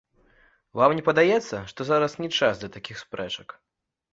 Вам не падаецца, што зараз не час для такіх спрэчак?